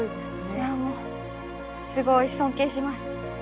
いやもうすごい尊敬します。